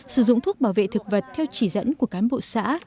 sử dụng thuốc bảo vệ thực vật theo chỉ dẫn của cán bộ xã